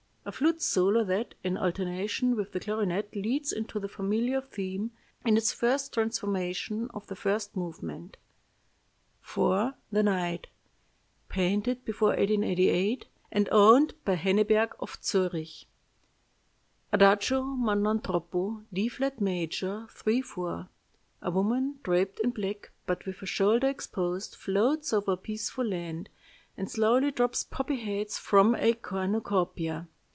A flute solo that, in alternation with the clarinet, leads into the familiar theme, in its first transformation, of the first movement. "IV. THE NIGHT (Painted before 1888, and owned by Henneberg of Zurich) "Adagio ma non troppo, D flat major, 3 4. A woman draped in black, but with a shoulder exposed, floats over a peaceful land, and slowly drops poppy heads from a cornucopia.